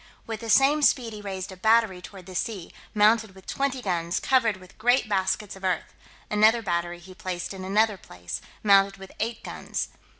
With the same speed he raised a battery toward the sea, mounted with twenty guns, covered with great baskets of earth: another battery he placed in another place, mounted with eight guns.